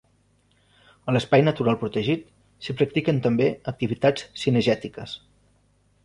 A l’Espai natural protegit s’hi practiquen també activitats cinegètiques.